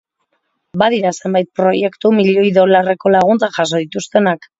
Badira zenbait proiektu milioi dolarreko laguntzak jaso dituztenak.